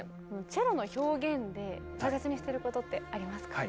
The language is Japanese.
チェロの表現で大切にしてることってありますか？